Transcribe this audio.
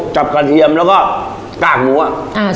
กับกระเทียมแล้วก็กากหมูอ่ะ